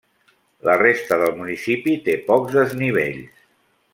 La resta del municipi té pocs desnivells.